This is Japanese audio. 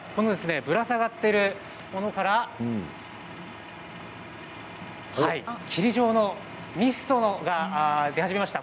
ぶら下がっているものから霧状のミストが出始めました。